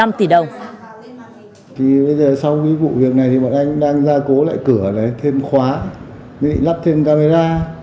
bây giờ sau vụ việc này thì bọn anh đang ra cố lại cửa để thêm khóa để lắp thêm camera